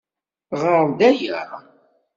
Ɣeṛ-d aya!